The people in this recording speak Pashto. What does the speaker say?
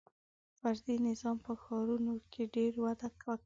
• فردي نظام په ښارونو کې ډېر وده وکړه.